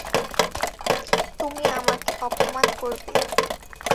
তুমি আমাকে অপমান করবে!